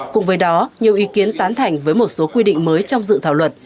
cùng với đó nhiều ý kiến tán thành với một số quy định mới trong dự thảo luật